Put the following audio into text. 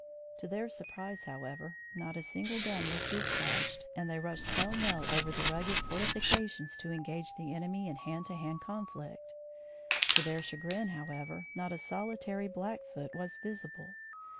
To their surprise, however, not a single gun was discharged and they rushed pell mell over the rugged fortifications to engage the enemy in hand to hand conflict. To their chagrin, however, not a solitary Blackfoot was visible.